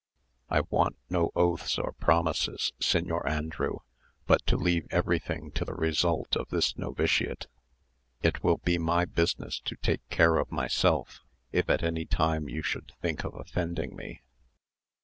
I want no oaths or promises, Señor Andrew, but to leave everything to the result of this novitiate. It will be my business to take care of myself, if at any time you should think of offending me."